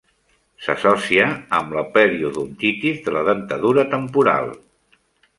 S'associa amb la periodontitis de la dentadura temporal.